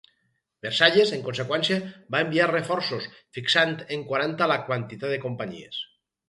Versalles, en conseqüència, va enviar reforços, fixant en quaranta la quantitat de companyies.